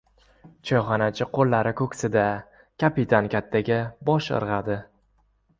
Choyxonachi qo‘llari ko‘ksida kapitan kattaga bosh irg‘adi.